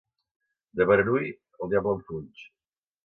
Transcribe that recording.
De Beranui, el diable en fuig.